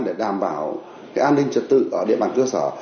để đảm bảo an ninh trật tự ở địa bàn cơ sở